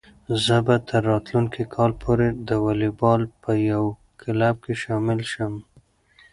زه به تر راتلونکي کال پورې د واليبال په یو کلب کې شامل شم.